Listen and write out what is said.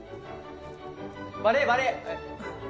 バレー、バレー。